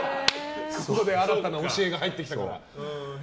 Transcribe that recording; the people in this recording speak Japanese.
新たな教えが入ってきたから。